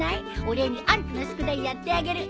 お礼にあんたの宿題やってあげる。